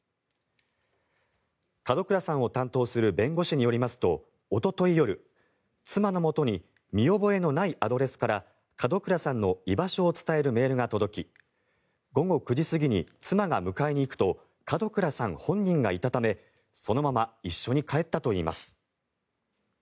門倉さんを担当する弁護士によりますとおととい夜、妻のもとに見覚えのないアドレスから門倉さんの居場所を伝えるメールが届き午後９時過ぎに妻が迎えに行くと門倉さん本人がいたためそのまま一緒に帰ったといいます。